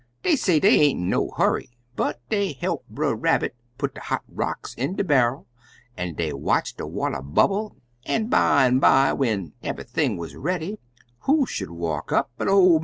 Dey say dey aint in no hurry, but dey holp Brer Rabbit put de hot rocks in de barrel an' dey watch de water bubble, an' bimeby, when eve'ything wuz ready, who should walk up but ol' Mr. Lion?